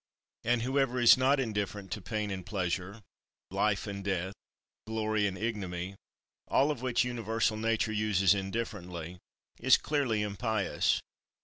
And whoever is not indifferent to pain and pleasure, life and death, glory and ignominy, all of which universal Nature uses indifferently, is clearly impious.